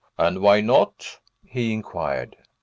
"And why not?" he inquired.